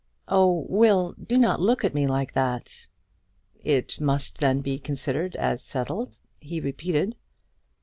"Oh, Will, do not look at me like that!" "It must then be considered as settled?" he repeated.